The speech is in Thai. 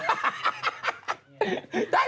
ได้ไหม